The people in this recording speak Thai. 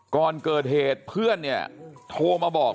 ก่อนเกิดเหตุเพื่อนเนี่ยโทรมาบอก